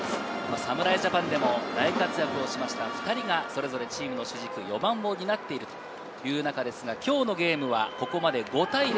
侍ジャパンでも大活躍した２人が、それぞれチームの主軸４番を担っているという中ですが、今日のゲームはここまで５−０。